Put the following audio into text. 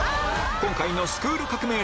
今回のスクール革命！